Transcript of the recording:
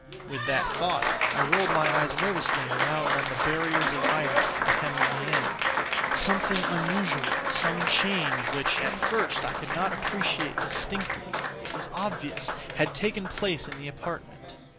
With that thought I rolled my eves nervously around on the barriers of iron that hemmed me in. Something unusual—some change which, at first, I could not appreciate distinctly—it was obvious, had taken place in the apartment.